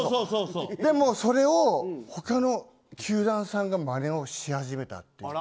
でも、それを他の球団さんがまねをし始めたという。